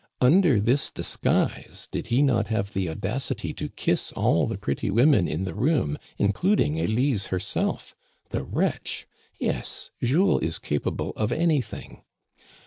Under this disguise, did he not have the audacity to kiss all the pretty women in the room, including Elise herself ? The wretch ! Yes, Jules is capable of anything